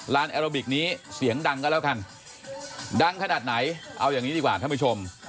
แอโรบิกนี้เสียงดังก็แล้วกันดังขนาดไหนเอาอย่างนี้ดีกว่าท่านผู้ชม